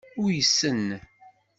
Uysen.